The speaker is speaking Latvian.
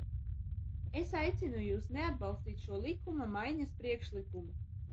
Es aicinu jūs neatbalstīt šo likuma maiņas priekšlikumu.